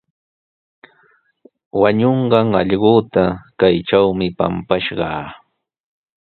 Wañunqan allquuta kaytrawmi pampashqaa.